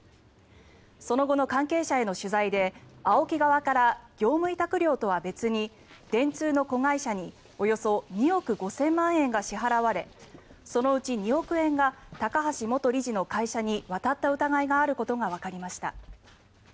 その後の関係者への取材でＡＯＫＩ側から業務委託料とは別に電通の子会社におよそ２億５０００万円が支払われそのうち２億円が高橋元理事の会社に渡った疑いがあることがわかりました。